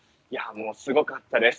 すごかったです。